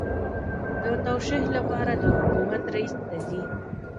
د توشیح لپاره د حکومت رئیس ته ځي.